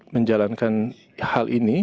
menjalankan hal ini